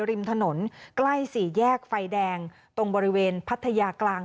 ริมถนนใกล้สี่แยกไฟแดงตรงบริเวณพัทยากลาง